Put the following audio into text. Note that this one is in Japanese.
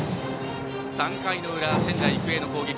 ３回の裏、仙台育英の攻撃。